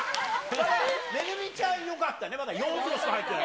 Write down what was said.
ＭＥＧＵＭＩちゃん、よかったね、まだ４票しか入ってない。